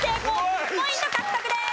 １０ポイント獲得です。